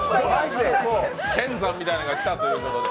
剣山みたいなのが来たということで。